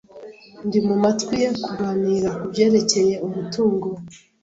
Ndi mumatwi ye kuganira 'kubyerekeye umutungo